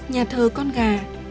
nhà thơ con gà